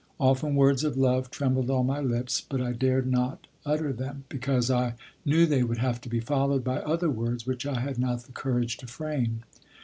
Often words of love trembled on my lips, but I dared not utter them, because I knew they would have to be followed by other words which I had not the courage to frame.